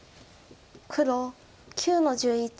黒９の十一。